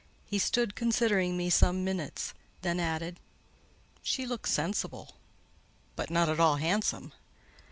He stood considering me some minutes; then added, "She looks sensible, but not at all handsome."